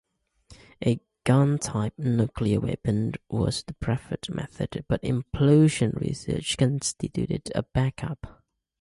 A gun-type nuclear weapon was the preferred method, but implosion research constituted a backup.